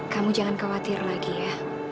kamu jangan khawatir lagi ya